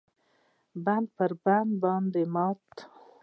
بند پر بند باندې راماتی